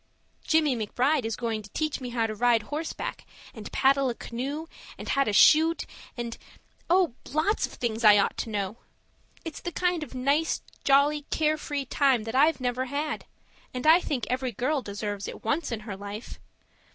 Jimmie McBride is going to teach me how to ride horseback and paddle a canoe, and how to shoot and oh, lots of things I ought to know. It's the kind of nice, jolly, care free time that I've never had; and I think every girl deserves it once in her life.